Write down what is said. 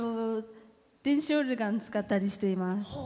電子オルガン使ったりしています。